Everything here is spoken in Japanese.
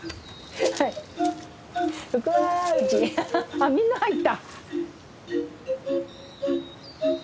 あっみんな入った。